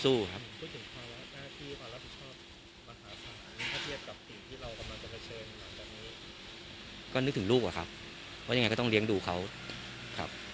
พูดถึงความรับรักข้อบหวัฒารขเชิญกับอย่างประเทศหรือประเถนก็เรียกถึงลูกครับ